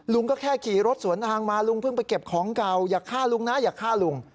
ก็แค่ขี่รถสวนทางมาลุงเพิ่งไปเก็บของเก่าอย่าฆ่าลุงนะอย่าฆ่าลุง